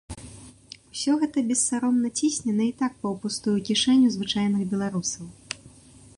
Усё гэта бессаромна цісне на і так паўпустую кішэню звычайных беларусаў.